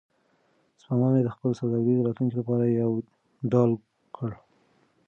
سپما مې د خپل سوداګریز راتلونکي لپاره یوه ډال کړه.